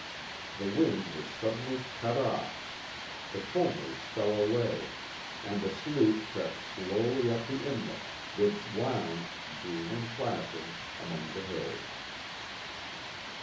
The wind was suddenly cut off; the combers fell away, and the sloop crept slowly up the inlet, which wound, green and placid, among the hills.